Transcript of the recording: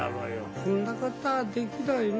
そんなことはできないね。